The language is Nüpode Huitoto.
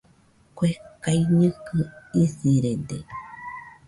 Kue kaiñɨkɨ isirede